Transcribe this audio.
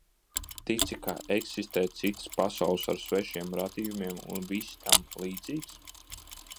Tici, ka eksistē citas pasaules ar svešiem rādījumiem un viss tam līdzīgs?